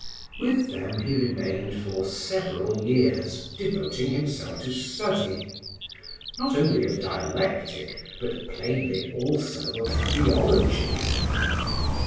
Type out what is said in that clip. With them he remained for several years, devoting himself to study, not only of dialectic, but plainly also of theology.